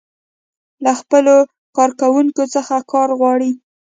له خپلو کارکوونکو څخه کار غواړي.